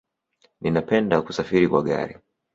Ninapenda kusafiri kwa gari